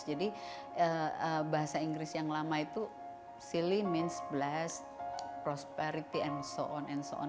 jadi bahasa inggris yang lama itu silly berarti blessed prosperity dan sebagainya